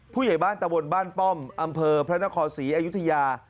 ผู้ใหญ่บ้านตะวนบ้านป้อมอำเภอพระนครศรีอยุธยา